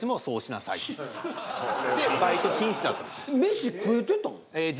飯食えてたん？